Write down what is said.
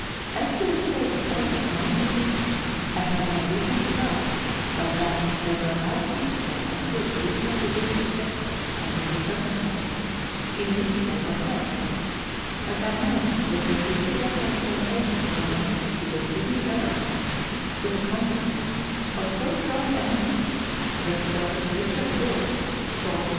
As to the state of order among the people, I have no reason to doubt but that they were as peaceable as could reasonably be expected under the cir cumstances in which they were placed, but I know that repeated representations were made to the Sydney Government to the contrary, of so strong a nature, that Sir Richard Bourke thought Letters from Victorian Pioneers.